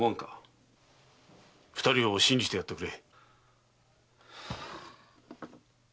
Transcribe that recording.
二人を信じてやってくれ。